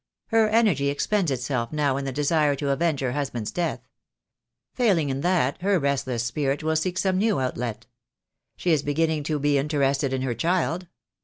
Her energy expends itself now in the desire to avenge her husband's death. Failing in that, her restless spirit will seek some new outlet. She is beginning to be inter ested in her child.